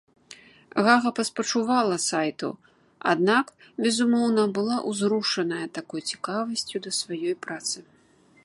Гага паспачувала сайту, аднак, безумоўна, была ўзрушаная такой цікавасцю да сваёй працы.